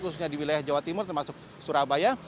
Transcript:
khususnya di wilayah jawa timur termasuk surabaya